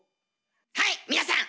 はい皆さん！